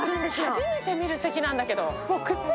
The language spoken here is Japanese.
初めて見る席なんだけど。